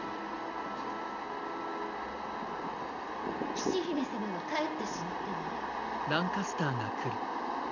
騎士姫様は帰ってしまったのね。